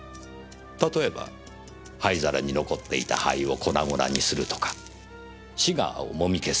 例えば灰皿に残っていた灰を粉々にするとかシガーを揉み消すとか。